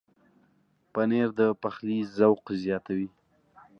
پنېر د پخلي ذوق زیاتوي.